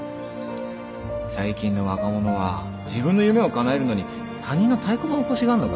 最近の若者は自分の夢をかなえるのに他人の太鼓判を欲しがるのか？